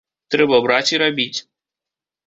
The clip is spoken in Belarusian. Трэба браць і рабіць.